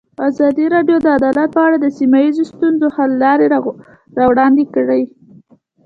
ازادي راډیو د عدالت په اړه د سیمه ییزو ستونزو حل لارې راوړاندې کړې.